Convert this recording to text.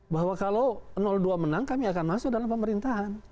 bahwa kalau dua menang kami akan masuk dalam pemerintahan